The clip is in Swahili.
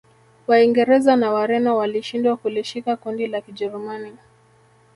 Waingereza na Wareno walishindwa kulishika kundi la Kijerumani